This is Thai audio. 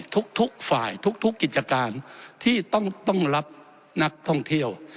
ทุกฝ่ายทุกกิจการที่ต้องรับนักท่องเที่ยว